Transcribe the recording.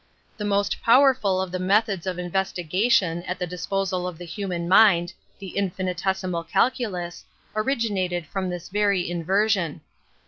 The most powerful of the methods of investiga tion at the disposal of the hnman mind, the iulluitesimal calculus, originated from this wry tuveraion.